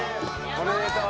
おめでとう。